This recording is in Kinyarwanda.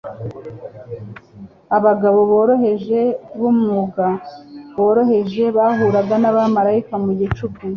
abagabo boroheje b'umwuga woroheje bahuraga n'abamarayika mu gicuku,